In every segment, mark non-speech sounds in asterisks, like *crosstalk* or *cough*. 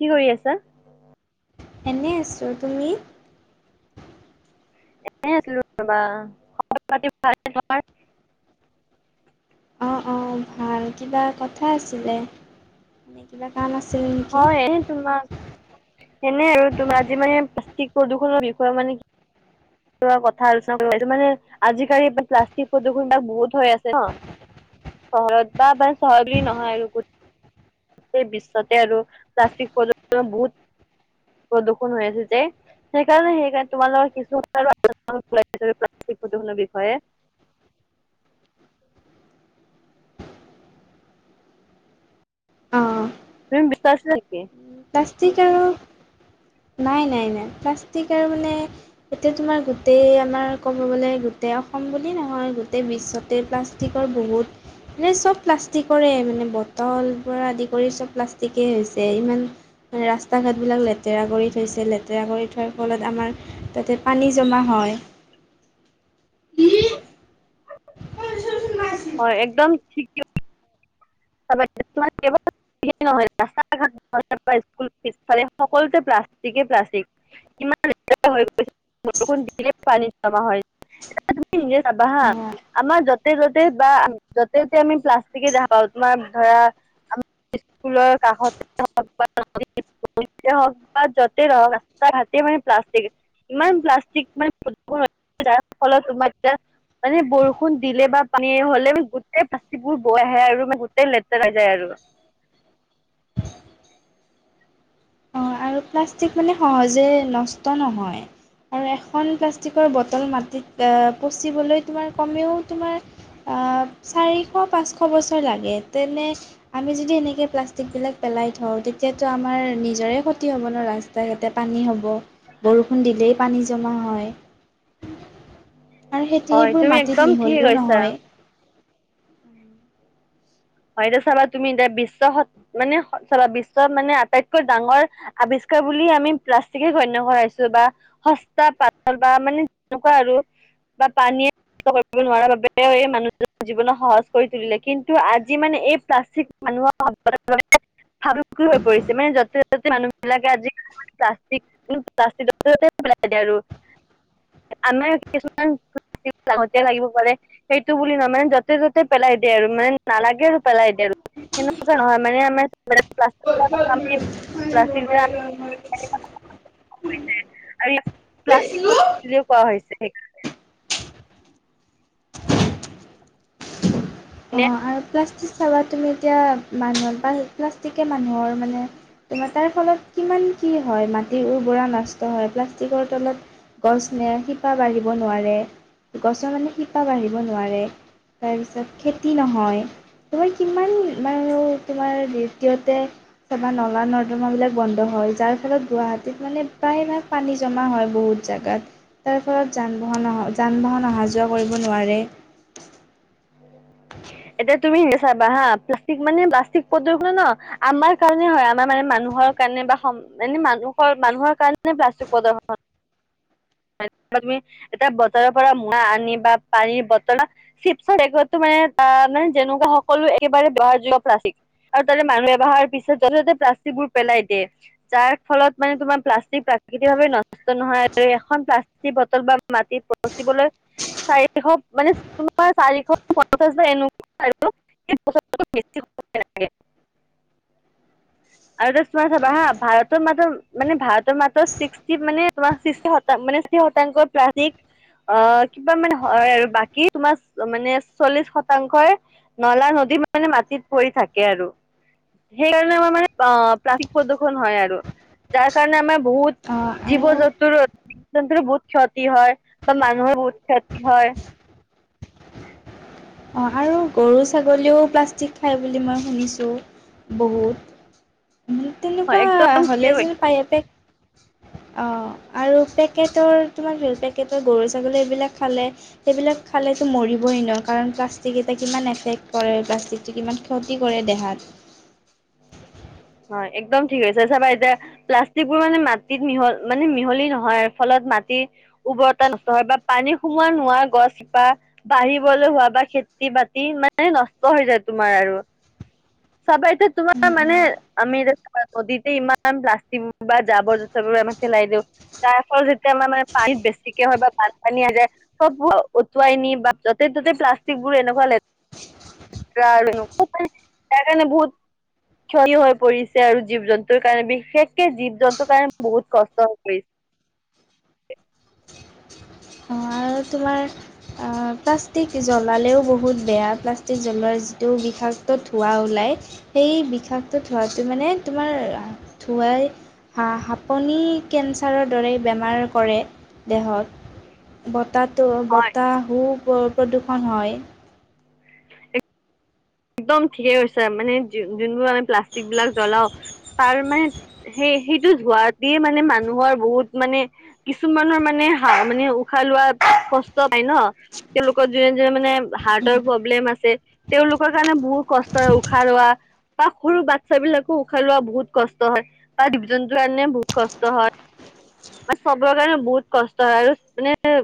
কি কৰি আছা? এনে আছোঁ। তুমি? এনে আছিলোঁ ৰবা। খবৰ পাতি ভালনে তোমাৰ? *inaudible* অ-অ, ভাল কিবা কথা আছিলে? কিবা কাম আছিল? নেকি হয় তোমাৰ সেনে আৰু তুমাৰ আজি মানে প্লাষ্টিক প্ৰদূষণৰ বিষয়ে মানে কথা আলোচনা কৰিব ওলাইছো। মানে আজিকালি প্লাষ্টিক প্ৰদূষণ বিলাক বহুত হৈ আছে ন। চহৰত বা প চহৰত বুলি নহয় আৰু গোটেই বিশ্বতে আৰু প্লাষ্টিক প্ৰদূষণ বহুত প্ৰদূষণ হৈ আছে যে। সেইকাৰণে সেইকাৰণে তোমালোকৰ কিছু কথা আলোচনা কৰিব ওলাইছিলোঁ প্লাষ্টিক প্ৰদূষণৰ বিষয়ে। *inaudible* অঁ তুমি *unintelligible* নেকি প্লাষ্টিক আৰু নাই-নাই-নাই। প্লাষ্টিক আৰু মানে এতিয়া তোমাৰ গোটেই আমাৰ কব গলে গোটেই অসম বুলি নহয় গোটেই বিশ্বতে প্লাষ্টিকৰ বহুত মানে চব প্লাষ্টিকৰে মানে বটল পৰা আদি কৰি চব প্লাষ্টিকেই হৈছে। ইমান মানে ৰাস্তা ঘাটবিলাক লেতেৰা কৰি থৈছে। লেতেৰা কৰি থোৱাৰ ফলত আমাৰ তাতে পানী জমা হয়। *inaudible* অ একদম ঠিকে *unintelligible* স নহয় ৰাস্তা- ঘাট, স্কুলপিছফালে সকলোতে প্লাষ্টিকে, প্লাষ্টিক। ইমান লেতেৰা হৈ গৈছে বৰষুণ দিল পানী জমা হয়। তুমি নিজে চাবা হা অঁ আমাৰ য'তে য'তে বা য'তে ত'তে আমি প্লাষ্টিকে দেখা পাওঁ তোমাৰ ধৰা আমাৰ স্কুলৰ কাষতে হওঁক বা নদীৰ হওঁক বা য'তে নহওঁক ৰাস্তা- ঘাটে মানে প্লাষ্টিক। ইমান প্লাষ্টিক মানে *unintelligible* যাৰ ফলত তোমাক এতিয়া মানে বৰষুণ দিলে বা পানী হলে গোটেই *unintelligible* আহে আৰু গোটেই লেতেৰা হৈ যায় আৰু। অঁ আৰু প্লাষ্টিক মানে সহজে নষ্ট নহয়। আৰু এখন প্লাষ্ট পাষ্টিকৰ বটল মাটিত পচিবলৈ তোমাৰ কমেও তোমাৰ চাৰি শ পাঁচশ বছৰ লাগে। তেনে আমি যদি এনেকে প্লাষ্টিকবিলাক পেলাই থওঁ তেতিয়াটো আমাৰ নিজৰে স হ'ব ন ৰাস্তা ঘাটেই পানী হ'ব। বৰষুণ দিলেই পানী জমা হয়। আৰু সেতি হয় সেইবোৰ তুমি একদম মাটিত ঠিক মিহলিও কৈছা নহয়। হয়, এতিয়া চাবা তুমি এতিয়া বিশ্ব স মানে চাবা বিশ্ব মানে আটাইতকৈ ডাঙৰ আৱিছ বুলি আমি প্লাষ্টিকে গণ্য কৰাইছো বা সস্তা, পাতল বা মানে যেনেকুৱা আৰু বা পানীয়ে নষ্ট কৰিব নোৱাৰা বাবেও এই মানুহ জীৱনক সহজ কৰি তুলিলে। কিন্তু আ যি মানে এই প্লাষ্টিক মানুহ *unintelligible* ভাবুুকি হৈ পৰিছে মানে য'তে ত' মানুহ বিলাকে আজিকালি প্লাষ্টিক পেলাই আৰু আমাৰ কিছুমান লতি লাগিব পাৰে সেইটো বুলি নহয় মানে যতে ত'তে পেলাই দিয়ে আৰু মানে *unintelligible* নালাগে পেলাইদে *unintelligible* সনেকা নহয় মানে আম প্লাষ্টিক *unintelligible* *unintelligible* *unintelligible* *inaudible* আৰু প্লাষ্টিক বুলি কোৱা হৈছে সেইকাৰণে নে অঁ আৰু প্লাষ্টিক চাবা তুমি এতিয়া মানুহ প্লাষ্টিকে মানুহৰ মানে তোমাৰ তাৰ ফলত কিমান কি হয় মাটিৰ উৰ্বৰা নষ্ট হয় প্লাষ্টিকৰ তলত গছ নিয় শ *unintelligible* চা বাঢ়িব নোৱাৰে গছৰ মানে শিপা বাঢ়িব নোৱাৰে তাৰপিছত খেতি নহয় তোমাৰ কিমান মান তোমাৰ দ্বিতীয়তে চবা নলা নৰ্দমাবিলাক বন্ধ হয় যাৰ ফলত গুৱাহাটীত মানে প্ৰায়ভাগ পানী জমা হয় বহুত *unintelligible* জাগাত তাৰ ফলত যান বাহন অ যান বাহন অহা যোৱা কৰিব নোৱাৰে অ *unintelligible* এতিয়া তুমি নি চাবা হা প্লাষ্টিক মানে প্লাষ্টিক প্ৰদূষণ ন আমাৰ কাৰণে হয় আমাৰ মানে মানুহ *unintelligible* মানুহৰ কাৰণে বা এনে মানুহৰ মানুহৰ কাৰণে প্লাষ্টিক প্ৰদূষণ হয় তুমি এতিয়া বতৰৰ পৰা মৰা আনি বা পানীৰ বতল চিপো মানে ত *unintelligible* মানে যেনেকুৱা সকলো একেবাৰে ব্যৱহাৰ যোগ্য প্লাষ্টিক আৰু তাতে মানুহ এবাহাৰ পিছত যতে ত'তে প্লাষ্টিকবোৰ পেলাই দিয়ে যাৰ ফলত মানে তোমাৰ প্লাষ্টিক *unintelligible* প্ৰাকৃতিক ভাৱে নষ্ট নহয় আৰু এখন প্লাষ্টিক বটল বা মাটি পচিবলৈ চাৰিশ মানে তোমাৰ চাৰিশ পঞ্চাছ বা এনেকুৱা আৰু *unintelligible* *unintelligible* *inaudible* আৰু তোমাৰ চাবা হা ভাৰতৰ মাতৰ মানে ভাৰতৰ মাত্ৰ ছিক্সি মানে তোমাৰ *unintelligible* মানে সিহতৰ প্লাষ্টিক *unintelligible* অ কিবা মানে হয় আৰু বাকী তোমাৰ মানে চল্লিশ শতাংশই নলা নদী মানে মাটিত পৰি থাকে আৰু সেইকাৰণে আমাৰ মানে অ প্ৰাক *unintelligible* প্ৰদৰ্ক্ষন হয় আৰু *unintelligible* যাৰ কাৰণে আমাৰ বহুত অ', জীৱ আৰু জন্তুৰ জীৱ জন্তুৰ বহুত ক্ষতি হয় বা মানুহৰ বহুত ক্ষতি হয় অঁ আৰু গৰু ছাগলীয়েও প্লাষ্টিক খায় বুলি মই শুনিছোঁ বহুত তেনেকুৱা একদম ঠিকে হ'লে কৈছা যেন পায়াপেক *unintelligible* হয় অঁ আৰু পেকেটৰ তোমাৰ পেকেটৰ গৰু ছাগলী এইবিলাক খালে সেইবিলাক খালে *unintelligible* মৰিব এ নোৱাৰ কাৰণ ত *unintelligible* প্লাষ্টিক এটা কিমান এফেক্ট কৰে প্লাষ্টিকটো কিমান ক্ষতি কৰে দেহাত উ হয় এক্দম ঠিক হৈছে চাবা এতিয়া প্লাষ্টিক বোৰ মানে মাটিত মিহল মানে মিহলি নহয় ফলত ম *unintelligible* উৰ্বৰতা নষ্ট হয় বা পানী সোমোৱা নোৰোৱা *unintelligible* গছ শিপা বাঢ়িবলৈ হোৱা বা খেতি বাতি মানে নষ্ট হৈ যায় তোমাৰ আৰু চাবা এতি তোমাৰ উম, মানে উম। আমি এতি নদীতে ইমান প্লাষ্টিকোৰ বা জাবৰ জোথৰ বোৰ আমাক পেলাই দিওঁ *unintelligible* তাৰ ফলত যেতিয়া আমাৰ মানে পানীত বেছিকে হয় বা বানপানী আহ যায় সব উটুৱাই নি বা তাতে প্লাষ্টিকবোৰ এনেকুৱা লেতেৰা আৰু তাৰ কাৰণে বহুত ক্ষতি হৈ পৰিছে আৰু জীৱ জন্তুৰ কাৰণে বিশেষকে জীৱ জন্তুৰ কাৰণে বহুত কষ্ট হৈ পৰিছে। *unintelligible* *inaudible* আৰু তোমাৰ প্লাষ্টিক জ্বলালেও বহুত বেয়া প্লাষ্টিক জ্বলোৱাৰ যিটো বিষ *unintelligible* বিষাক্ত ধোঁৱা ওলায় সেই বিষাক্ত ধোঁৱাটো মানে তোমাৰ ধোঁৱাই *unintelligible* হ হাপনি কেঞ্চাৰৰ দৰেই বেমাৰ কৰে দেহত। *unintelligible* বতাহটো হয় বতাহাহু প্ৰদূষণ হয়। একদম ঠিকে ছে মানে যোনবোৰ আমি প্লাষ্টিক বিলাক জ্বলাও তাৰ মানে সেই সেইটো ধোৱাঁ দিয়ে মানে মানুহৰ বহুত মানে কিছুমানৰ মানে হা মানে উশাহ লোৱা কষ্ট- লোকৰ যোনে যোনে হাটৰ প্ৰব্লেম আছে- ৰ কাৰণে বহুত কষ্ট হয় উশাহ ৰোৱা বা সৰু বাচ্ছা বিলাকো উশাহ ৰোৱা বহুত কষ্ট হয়। ডিভি জন্তৰ কাৰণে বহুত কষ্ট হয়। মান চবৰে কাৰণে বহুত কষ্ট হয় আৰু মানে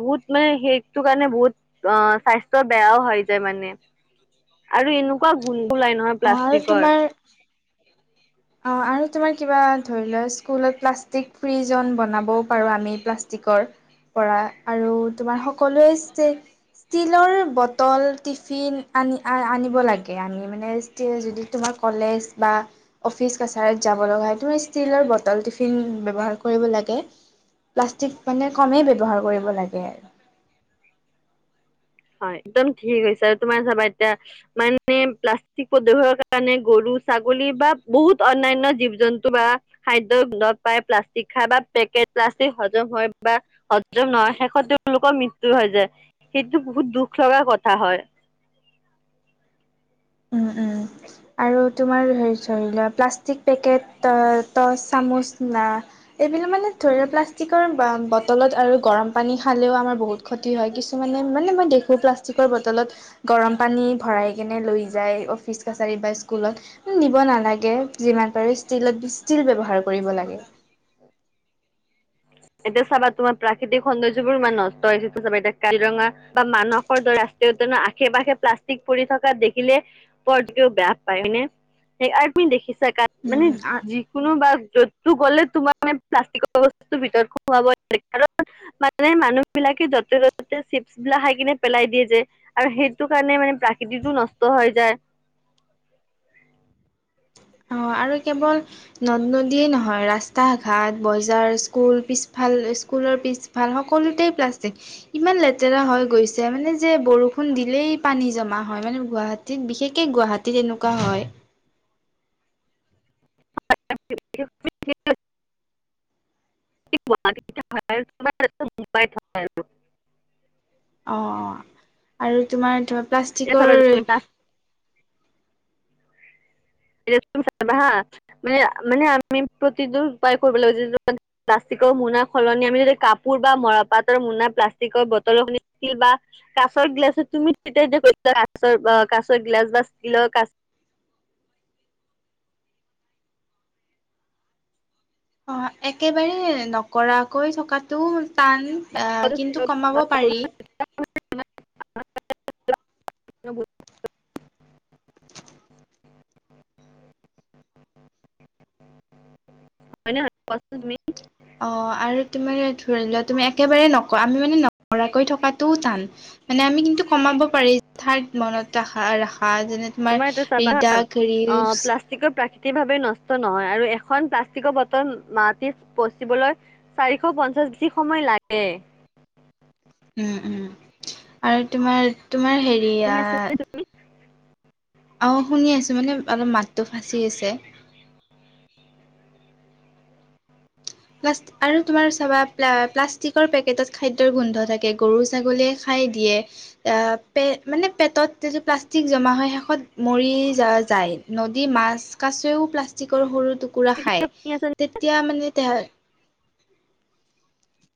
বহুত মানে সেইটো কাৰণে বহুত অ স্বাস্থ্য বেয়াও হৈ যায় মানে- আৰু এনেকুৱা ভুল অঁ আৰু তোমাৰ অ আৰু তোমাৰ কিবা ধৰি লোৱা স্কুলত প্লাষ্টিক ফ্ৰীজন বনাবও পাৰো আমি প্লাষ্টিকৰ পৰা আৰু তোমাৰ সকলোৱে ষ্টীলৰ বটল টিফিন আনি আনিব লাগে আনি মানে ষ্টিল যদি তোমাৰ কলেজ বা অফিচ কাছাৰত যাব লগা হয় তুমি ষ্টীলৰ বটল টিফিন ব্যৱহাৰ কৰিব লাগে প্লাষ্টিক মানে কমেই ব্যৱহাৰ কৰিব লাগে আৰু উম। হয় একদম ঠিক হৈছে আৰু তোমাৰ চাবা এতিয়া মানে প্লাষ্টিক প্ৰদূষৰ কাৰণে গৰু- ছাগলী বা বহুত অন্যান্য জীৱ জন্তু বা খাদ্য উন্নত পায় প্লাষ্টিক খাই বাে- কে হজম হয় বা হজম নহয় শেষত তেওঁলোকৰ মৃত্যু হৈ যায়। টো বহুত দুখ লগাৰ কথা হয়। উম উম আৰু তোমাৰ ধৰি লোৱা প্লাষ্টিক পেকেট টচ চামুচ এইবিলাক মানে ধৰি প্লাষ্টিকৰ বা বটলত আৰু গৰম পানী খালো আমাৰ বহুত ক্ষতি হয় মানে কিছুমানে মই দেখি পেলাই প্লাষ্টিক বটলত গৰম পানী ভৰাই কেনে লৈ যায় অফিচ বা স্কুলত নিব নালাগে যিমান পাৰে ষ্টিলত ষ্টিল ব্যৱহাৰ কৰিব লাগে *inaudible* এতিয়া চাবা তোমাৰ প্ৰাকৃতিক সৌন্দৰ্য্যবোৰ ইমান নষ্ট হৈছে য়া চাবা এতিয়া কাজিৰঙা বা মানসৰ দৰে ৰাস্ত উত আখে পাশে প্লাষ্টিক পৰি থকা দেখিলে পৰকও বেয়া পায়নে? সেই আৰু তুমি দেখিছা কা মানে উম যিকোনো বা যো গ'লে তোমাৰ মে প্লাষ্টিকৰ বিতৰ্ক হ কাৰ মানে মানুহ বিলাকে য'তে ত'তে চিপছ বিলাক খাই কিনে পেলাই লাই দিয়ে যে আৰু সেইটো কাৰণে মানে প্ৰাকৃতিতটো নষ্ট হৈ যায়। উম।। অঁ আৰু কেৱল নদ নদীয়ে নহয় ৰাস্তা ঘাট বজাৰ স্কুল পিছফাল স্কুল পিছফাল সকলোতে প্লাষ্টিক ইমান লেতেৰা হৈ গৈছে মানে যে বৰষুণ দিলেই পানী জমা হয় মানে গুৱাহাটীত বিশেষকে গুৱাহাটীত এনেকুৱা হয়। *inaudible* *inaudible* মুম্বাইৰ থকা অঁ অঁ আৰু তোমাৰ ধ হৈ প্লাষ্টিকৰ যায়। হা মানে মানে, আ প্ৰতিদ উপায় কৰিব লাগ। মোনা সলনি আমি যদি কাপোৰ বা মৰা পাতৰ মনা প্লাষ্টিকৰ বটল খ আছিল বা ক। কাছৰ গিলাছ তুমি তেতিয়া কৰিছা কাচৰ কাছৰ গিলাছ বা ষ্টিলৰ কাছ। অঁ একেবাৰে নকৰাকৈ থকাতটো টান। কিন্তু কমাব পাৰি। অনু। হয় নে নহয় কোৱাচোন তুমি। অ আৰু তোমাৰ ধৰি লোৱা তুমি একেবাৰে নক আমি মানে নকৰাকৈ থকাতটোও টান, মানে আমি কিন্তু কমাব পাৰি মনত ৰাখা। আহ যেনে তোমাৰ এতিয়া চাবা অ ৰিদাকৰিলচ। প্লাষ্টিকৰ প্ৰাকৃতিক ভাৱে নষ্ট নহয়, আৰু এখন প্লাষ্টিকৰ বটল মাটিত পচিবলৈ, চাৰিশ পঞ্চাশ। যি সময় লাগে। উম, উম আৰু তোমাৰ তোমাৰ শুনি হেৰিয়া। আছে টো ফাঁচি আছে। আৰু তোমাৰ চাবা প্লাষ্টিকৰ পেকেটত খাদ্যয়ৰ গোন্ধ থাকে গৰু ছাগলীয়ে। খাই দিয়ে পে পেত প্লেলাষ্টিক জেমা হয় মৰি যায়। নদী মাছ কাছেও প্লাষ্টিকৰ সৰু টুকুৰা খায়, শুনি আছে তেতিয়া মানে। *unintelligible*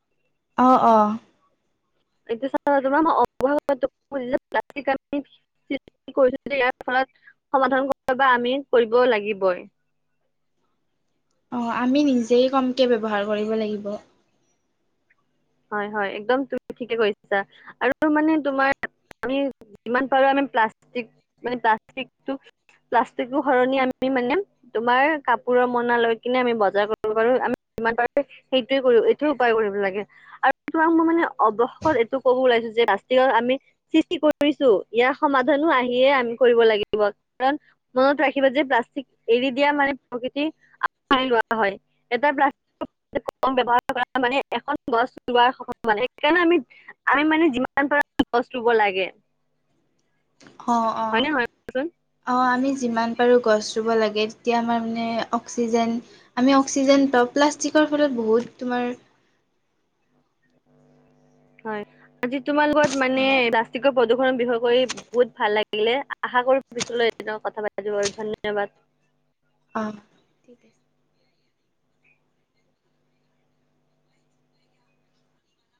অহ অ। *unintelligible* এতিয়ামাৰ অ যে ইয়াৰ ফলত। সমাধান কৰ বা আমি কৰিব লাগিবই। অ আমি নিজেই কমকে ব্যৱহাৰ কৰিব লাগিব। হয় হয় একদম তুমি ঠিকে কৈছছা আৰু মানে তোমাৰ আমি যিমান পাৰো আমি। প্লাষ্টিক মানে প্লাষ্টিকটো। প্লাষ্টিকো সলনি আমি মানে, তোমাৰ কাপোৰৰ মনা লৈ কিনে আমি বজাৰ কৰিব পাৰো। যিমান পাৰে সেইটোৱে কৰিব এইটোয়ে উপায় কৰিব লাগে। আৰু তোমাক মই মানে অৱসত এইটো কব ওলাইছো যে প্লাষ্টিকত, আমি সৃষ্টি কৰিছো ইয়াৰ সময়। আহিয়ে আমি কৰিব লাগিব, কাৰণ মনত ৰাখিব যে প্লাষ্টিক এৰি দিয়া মানে প্ৰকৃতিৰ। লোৱা হয়, এটা প্লাষ্টিক ব্যৱহাৰ কৰা মানে এখন গছ। ৰোৱাৰ সম্ভাৱান সেইকাৰণে আমি, আমি মানে যিমান পাৰ গছ ৰুব লাগে। অ অ, হয় নে নহয় কোৱাচোন অ আমি। যিমান পাৰো গছ ৰুব লাগে তেতিয়া আমাৰ মানে অক্সিজেন, আমি অক্সিজেন পাওঁ প্লাষ্টিকত। ফলত বহুত তোমাৰ। উ। *unintelligible* হয়। আজি তোমাৰ লগত মানে অঁ প্লাষ্টিকৰ প্ৰদূৰণৰ বিষয়ে কৰি, বহুত ভাল লাগিলে আশা কৰো পিছ। কথা পাতি ব ধন্যবাদ। অ আছে।